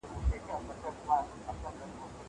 زه تکړښت کړی دی!